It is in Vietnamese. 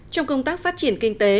trong công tác phát triển kinh tế